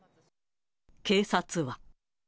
警察は。